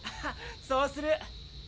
そうする！